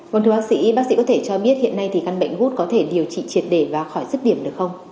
vâng thưa bác sĩ bác sĩ có thể cho biết hiện nay thì căn bệnh gút có thể điều trị triệt để và khỏi rứt điểm được không